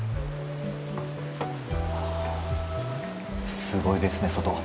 あすごいですね外